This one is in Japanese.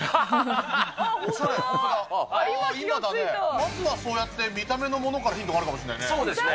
まずはそうやって見た目のものからヒントがあるかもしんないそうですね。